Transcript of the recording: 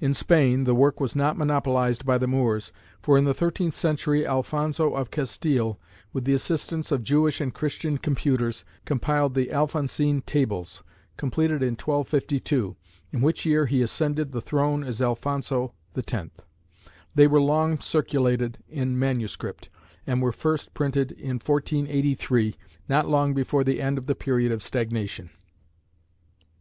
In Spain the work was not monopolised by the Moors, for in the thirteenth century Alphonso of Castile, with the assistance of Jewish and Christian computers, compiled the Alphonsine tables, completed in 1252, in which year he ascended the throne as Alphonso X. They were long circulated in MS. and were first printed in 1483, not long before the end of the period of stagnation.